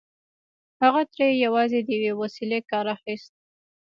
هغه ترې يوازې د يوې وسيلې کار اخيست.